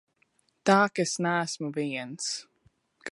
Tā ka es neesmu viens.